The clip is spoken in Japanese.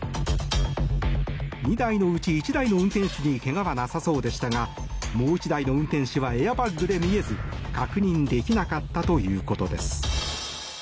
２台のうち１台の運転手にけがはなさそうでしたがもう１台の運転手はエアバッグで見えず確認できなかったということです。